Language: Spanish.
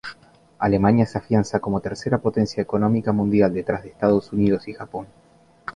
Alemania se afianza como tercera potencia económica mundial detrás de Estados Unidos y Japón.